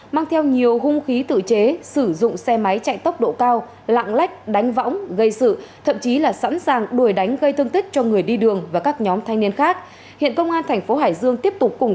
mang theo nhiều hung khí tự chế sử dụng và đối tượng chính trong vụ án